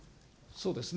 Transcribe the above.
そうですね。